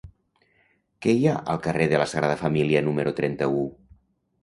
Què hi ha al carrer de la Sagrada Família número trenta-u?